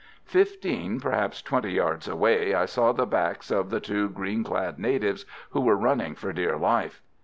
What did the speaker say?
Fifteen, perhaps twenty, yards away I saw the backs of the two green clad natives who were running for dear life.